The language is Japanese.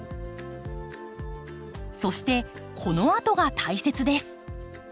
そしてこのあとが大切です。